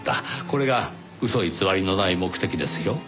これが嘘偽りのない目的ですよ。